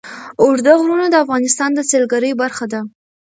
اوږده غرونه د افغانستان د سیلګرۍ برخه ده.